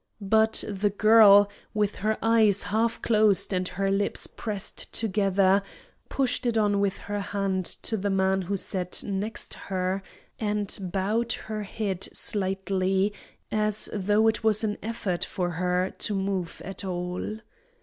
But the girl, with her eyes half closed and her lips pressed together, pushed it on with her hand to the man who sat next her, and bowed her head slightly, as though it was an effort for her to move at all.